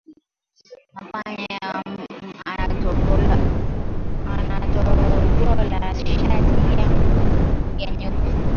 Mpanya anatobola shati yangu ya mweupe